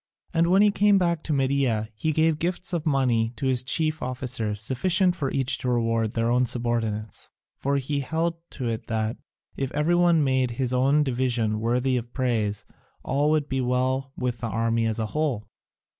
And when he came back to Media he gave gifts of money to his chief officers, sufficient for each to reward their own subordinates, for he held to it that, if every one made his own division worthy of praise, all would be well with the army as a whole.